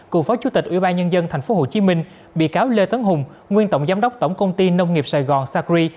cựu phó chủ tịch ủy ban nhân dân tp hcm bị cáo lê tấn hùng nguyên tổng giám đốc tổng công ty nông nghiệp sài gòn sacri